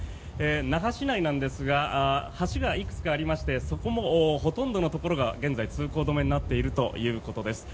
那覇市内なんですが橋がいくつかありましてそこもほとんどのところが現在、通行止めになっているということです。